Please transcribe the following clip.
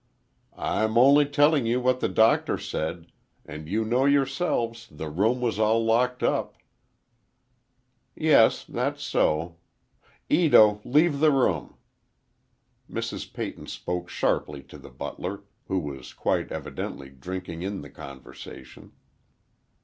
"I'm only telling you what the doctor said. And you know yourselves, the room was all locked up." "Yes, that's so. Ito, leave the room!" Mrs. Peyton spoke sharply to the butler, who was quite evidently drinking in the conversation.